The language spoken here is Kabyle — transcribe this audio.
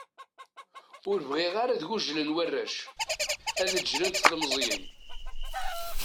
Ur bɣiɣ ara ad gujlen warrac, ad ǧǧlent telmeẓyin.